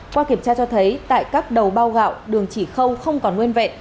qua kiểm tra cho thấy tại các đầu bao gạo đường chỉ khâu không còn nguyên vẹn